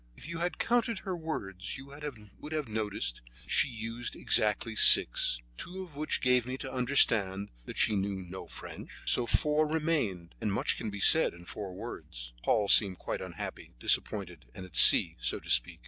"If you had counted her words you would have noticed that she used exactly six, two of which gave me to understand that she knew no French, so four remained, and much can be said in four words." Paul seemed quite unhappy, disappointed, and at sea, so to speak.